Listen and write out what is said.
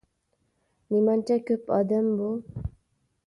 نېمانچە كۆپ ئادەم بۇ.